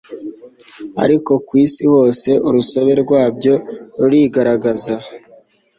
ariko ku isi hose urusobe rwabyo rurigaragaza